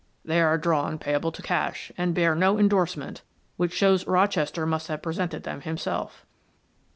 "They are drawn payable to cash, and bear no endorsement, which shows Rochester must have presented them himself."